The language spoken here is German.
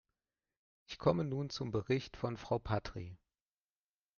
Ich komme nun zum Bericht von Frau Patrie.